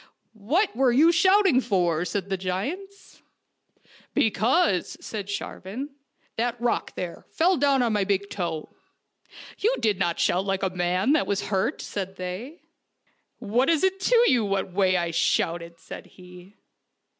"What were you shouting for?' : said the giants. " Because," said Sharvan, " that rock there fell down on my big toe." " You did not shout like a man that was hurt," said they. "What is it to you what way I shouted? " said he.